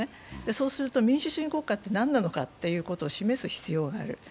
そうすると民主主義国家は何なののかを示す必要がある。